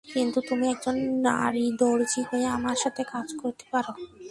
কিন্তু তুমি একজন নারীদর্জি হয়ে আমার সাথে কাজ করতে পারো।